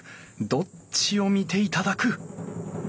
どっちを見て頂く？